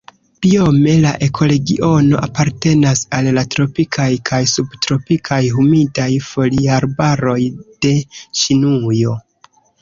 Biome la ekoregiono apartenas al la tropikaj kaj subtropikaj humidaj foliarbaroj de Ĉinujo.